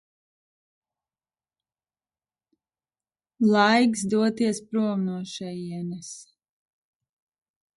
Laiks doties prom no šejienes.